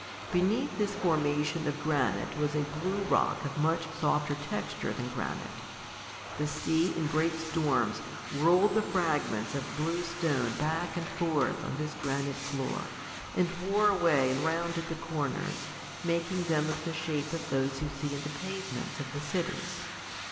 Beneath this formation of granite was a blue rock of much softer texture than granite. The sea, in great storms, rolled the fragments of blue stone back and forth on this granite floor, and wore away and rounded the corners, making them of the shape of those you see in the pavements of the cities.